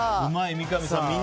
うまい、三上さん